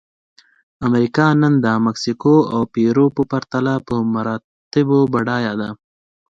امریکا نن د مکسیکو او پیرو په پرتله په مراتبو بډایه ده.